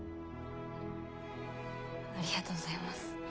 ありがとうございます。